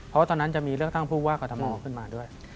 เพราะตอนนั้นจะมีเลือกตั้งผู้ว่ากรทมขึ้นมาด้วย